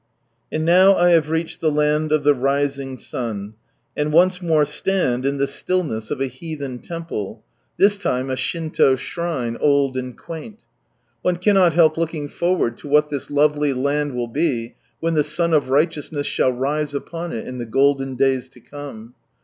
,.. And now I have reached the " Land of the Rising Sun," and once more stand in the stillness of a heathen temple — this time a Shinto shrine, old and quaint. One cannot help looking forward to what this lovely land will be when the Sun of Righteousness shall rise upon it, in the golden days to come.